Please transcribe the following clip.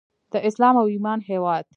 د اسلام او ایمان هیواد.